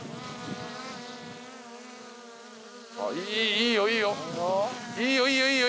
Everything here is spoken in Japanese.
いいよいいよ。